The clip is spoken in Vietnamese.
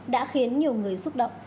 đã khiến nhiều người xúc động